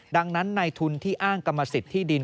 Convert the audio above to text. ดังนั้นในทุนที่อ้างกรรมสิทธิ์ที่ดิน